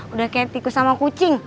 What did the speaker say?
udah kayak tikus sama kucing